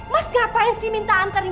mas ngapain sih minta antri